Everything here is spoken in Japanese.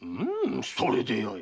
それでよい！